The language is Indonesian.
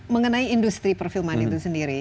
mengenai industri perfilman itu sendiri